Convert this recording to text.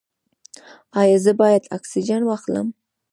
ایا زه باید اکسیجن واخلم؟